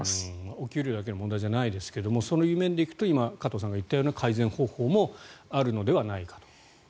お給料だけの問題じゃないですがそういう面でいうと加藤さんが言った改善方法もあるのではないかと。